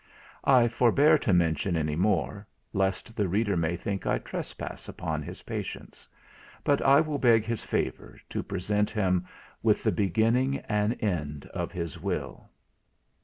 I forbear to mention any more, lest the reader may think I trespass upon his patience: but I will beg his favour, to present him with the beginning and end of his Will.